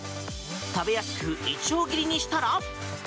食べやすくいちょう切りにしたら。